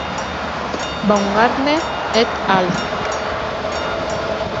Baumgartner et al.